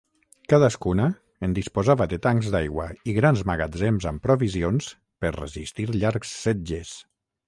Cadascuna en disposava de tancs d'aigua i grans magatzems amb provisions per resistir llargs setges.